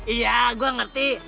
iya gue ngerti